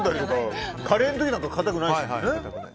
カレーの時なんかかたくないですよね。